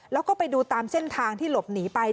แล้วก็ไปดูตามเส้นทางที่หลบหนีไป